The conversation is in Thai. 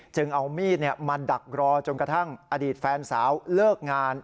เอามีดมาดักรอจนกระทั่งอดีตแฟนสาวเลิกงาน